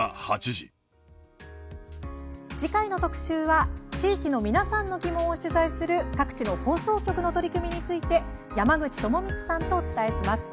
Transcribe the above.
次回の特集は地域の皆さんの疑問を取材する各地の放送局の取り組みについて山口智充さんとお伝えします。